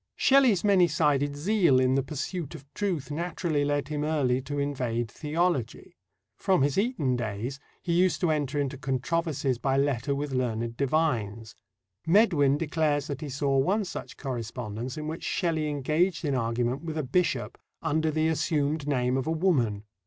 Shelley's many sided zeal in the pursuit of truth naturally led him early to invade theology. From his Eton days, he used to enter into controversies by letter with learned divines. Medwin declares that he saw one such correspondence in which Shelley engaged in argument with a bishop "under the assumed name of a woman."